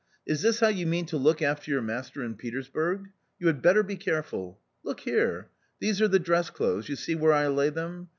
Is this how you mean to look after your master in Petersburg ? You had better be care ful. Look here : these are the dress clothes ; you see where I lay them?